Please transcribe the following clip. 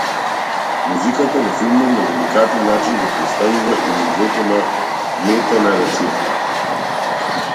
Музиката во филмов на деликатен начин го претставува и нивото на метанарацијата.